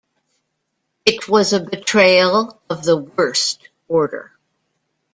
It was a betrayal of the worst order.